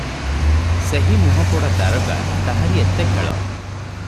ସେହି ମୁହଁପୋଡ଼ା ଦାରୋଗା; ତାହାରି ଏତେ ଖେଳ ।